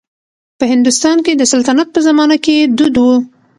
په هندوستان کې د سلطنت په زمانه کې دود و.